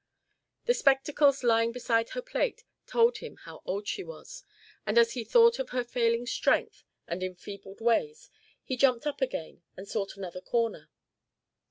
The spectacles lying beside her plate told him how old she was, and as he thought of her failing strength and enfeebled ways, he jumped up again and sought another corner.